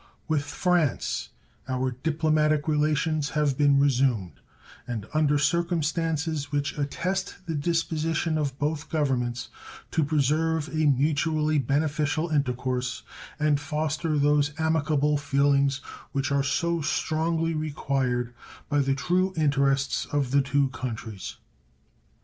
With France our diplomatic relations have been resumed, and under circumstances which attest the disposition of both Governments to preserve a mutually beneficial intercourse and foster those amicable feelings which are so strongly required by the true interests of the two countries.